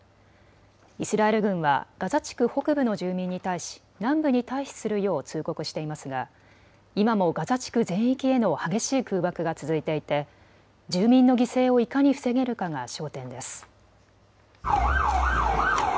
イスラエル軍はガザ地区北部の住民に対し南部に退避するよう通告していますが今もガザ地区全域への激しい空爆が続いていて住民の犠牲をいかに防げるかが焦点です。